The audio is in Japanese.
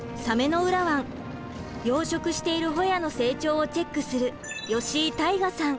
養殖しているホヤの成長をチェックする吉井大河さん